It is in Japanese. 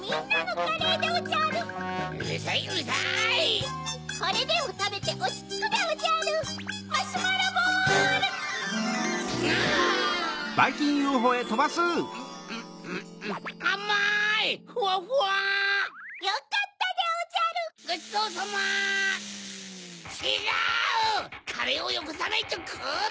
カレーをよこさないとこうだ！